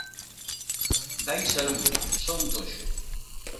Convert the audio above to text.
De aí saíu "Son un toxo".